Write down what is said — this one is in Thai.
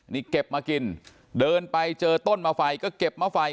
นี่เก็บมากินเดินไปเจอต้นมาไฟก็เก็บมาไฟ